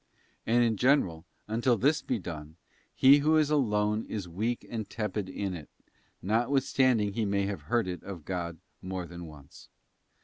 And in general, until this be done, he who is alone is weak and tepid in it, notwithstanding he may have heard it of God more than once.